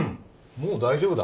もう大丈夫だ。